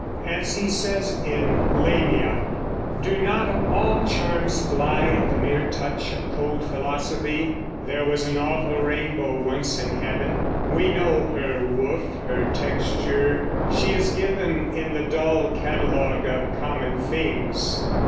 As he says in "Lamia": ... Do not all charms fly At the mere touch of cold philosophy? There was an awful rainbow once in heaven: We know her woof, her texture; she is given In the dull catalogue of common things.